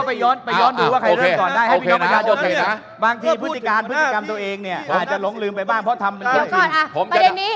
ก็ไปย้อนดูว่าใครเริ่มก่อนได้